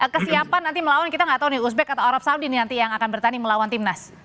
kesiapan nanti melawan kita nggak tahu nih uzbek atau arab saudi nanti yang akan bertanding melawan timnas